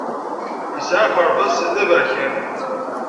Yesɛa akerbas d aberkan.